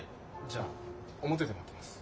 じゃあ表で待ってます。